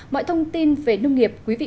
mọi thông tin về nông nghiệp quý vị